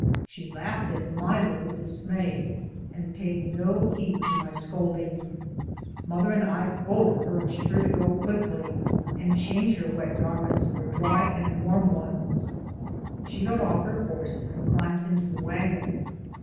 She laughed at my look of dis may and paid no heed to my scolding. Mother and I both urged her to go quickly i66 DAYS ON THE ROAD. and change her wet garments for dry and warm ones. She got off her horse and dimbed into the wagon.